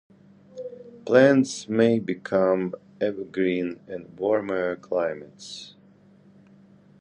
Plants may become evergreen in warmer climates.